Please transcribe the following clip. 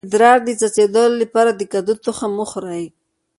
د ادرار د څڅیدو لپاره د کدو تخم وخورئ